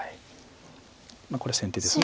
これ先手です。